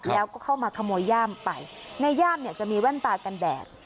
แล้วก็เข้ามาขโมยย่ามไปในย่ามเนี่ยจะมีแว่นตากันแดด